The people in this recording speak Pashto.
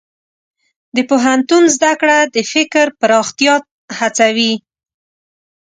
د پوهنتون زده کړه د فکر پراختیا هڅوي.